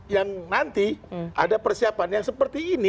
yang nanti ada persiapan yang seperti ini